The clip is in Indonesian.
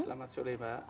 selamat sore mbak